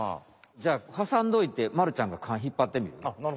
じゃあはさんどいてまるちゃんがかんひっぱってみる？